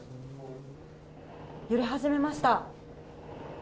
揺れ始めました。